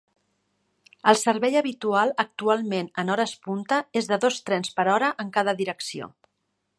El servei habitual actualment en hores punta és de dos trens per hora en cada direcció.